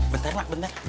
bentar emak bentar